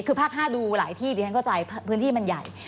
คือภาค๕ดูหลายที่ดิฉันเข้าใจพื้นที่มันใหญ่